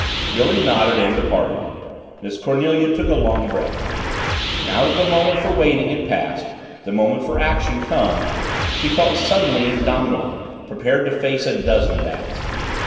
Billy nodded and departed. Miss Cornelia took a long breath. Now that the moment for waiting had passed the moment for action come she felt suddenly indomitable, prepared to face a dozen Bats!